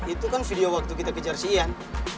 itu kan video waktu kita kejar si ian